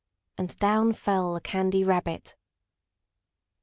And down fell the Candy Rabbit.